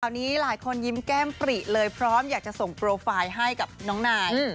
อันนี้หลายคนยิ้มแก้มปริเลยพร้อมอยากจะส่งโปรไฟล์ให้กับน้องนาย